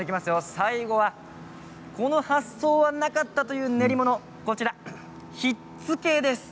最後はこの発想はなかったという練り物ひっつけです。